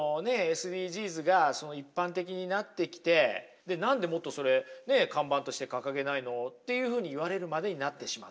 ＳＤＧｓが一般的になってきて何でもっとそれ看板として掲げないの？っていうふうに言われるまでになってしまった。